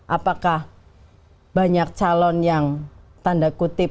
apakah banyak calon yang tanda kutip tidak bisa mengkutip